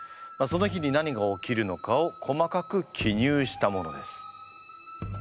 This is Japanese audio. その日に何が起きるのかを細かく記入したものです。